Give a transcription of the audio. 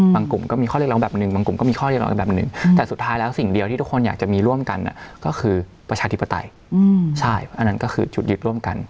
กลุ่มก็มีข้อเรียกร้องแบบหนึ่งบางกลุ่มก็มีข้อเรียกร้องอีกแบบหนึ่งแต่สุดท้ายแล้วสิ่งเดียวที่ทุกคนอยากจะมีร่วมกันก็คือประชาธิปไตยใช่อันนั้นก็คือจุดยึดร่วมกัน